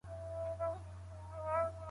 علمي څېړنه تر بنسټیزي څېړني ډېره مشخصه ده.